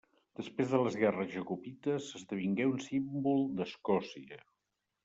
Després de les Guerres jacobites esdevingué un símbol d'Escòcia.